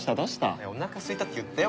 おなかすいたって言ったよ